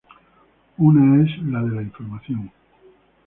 Una es la de la información.